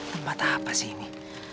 tempat apa sih ini